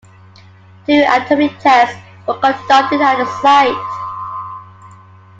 Two atomic tests were conducted at the site.